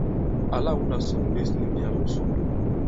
Àla wu là sôŋ ɓěs nì m̀mbiyà musò.